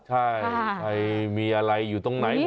ใช่ใครมีอะไรอยู่ตรงไหน